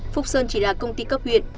phúc sơn chỉ là công ty cấp huyện